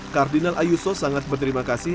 kardinal ayuso sangat berterima kasih